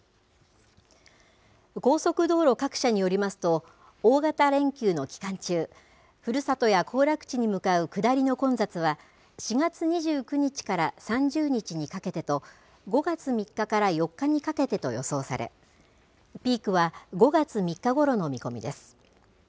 高速道路各社によりますと、大型連休の期間中、ふるさとや行楽地に向かう下りの混雑は、４月２９日から３０日にかけてと、５月３日から４日にかけてと予想され、ピークは５月３日ごろの見込みです。